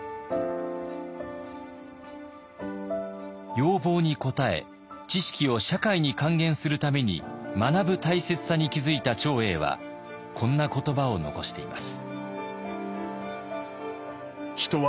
要望に応え知識を社会に還元するために学ぶ大切さに気付いた長英はこんな言葉を残しています。